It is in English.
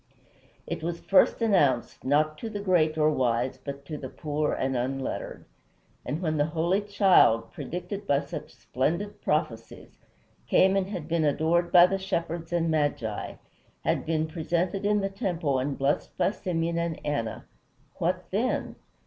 It was first announced, not to the great or wise, but to the poor and unlettered. And when the holy child, predicted by such splendid prophecies, came and had been adored by the shepherds and magi, had been presented in the temple and blessed by Simeon and Anna what then?